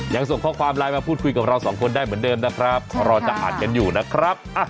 ยังส่งข้อความไลน์มาพูดคุยกับเราสองคนได้เหมือนเดิมนะครับรอจะอ่านกันอยู่นะครับ